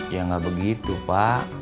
ya gak begitu pak